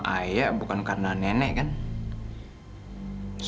tadi mereka karenaa medications